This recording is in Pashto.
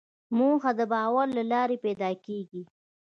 موخه د باور له لارې پیدا کېږي.